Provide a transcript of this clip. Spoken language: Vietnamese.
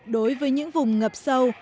đối với những vùng ngập sâu